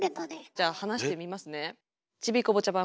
じゃあ話してみますね。